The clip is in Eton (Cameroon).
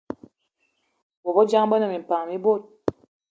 Bôbejang be ne minpan mi bot